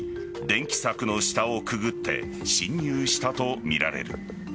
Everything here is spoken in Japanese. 電気柵の下をくぐって侵入したとみられる。